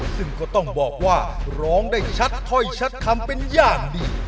ซึ่งก็ต้องบอกว่าร้องได้ชัดถ้อยชัดคำเป็นอย่างดี